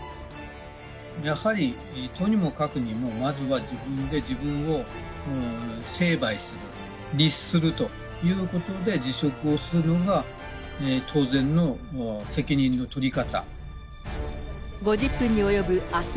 やはりとにもかくにも、まずは自分で自分を成敗する、律するということで辞職をするのが、当然の責任の取り方。